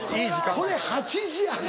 これ８時やで。